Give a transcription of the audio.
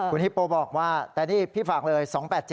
คุณฮิปโปบอกว่าแต่นี่พี่ฝากเลย๒๘๗